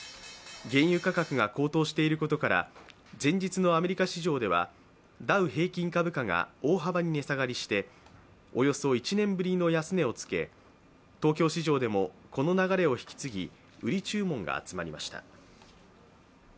原油価格が高騰していることから、前日のアメリカ市場ではダウ平均株価が大幅に値下がりしておよそ１年ぶりの安値をつけ東京市場でもこの流れを引き継ぎ売り注文が集まりました。